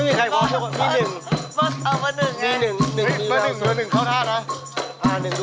เราทำหน้าตานะ